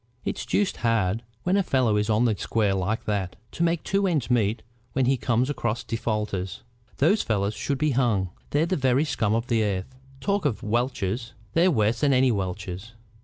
It's deuced hard, when a fellow is on the square like that, to make two ends meet when he comes across defaulters. Those fellows should be hung. They're the very scum of the earth. Talk of welchers! They're worse than any welcher.